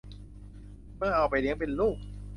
จึงเอาไปเลี้ยงเป็นลูก